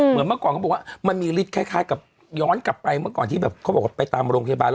เมื่อก่อนเขาบอกว่ามันมีฤทธิคล้ายกับย้อนกลับไปเมื่อก่อนที่แบบเขาบอกว่าไปตามโรงพยาบาลแล้ว